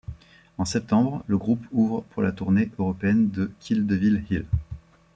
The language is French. En septembre le groupe ouvre pour la tournée européenne de Kill Devil Hill.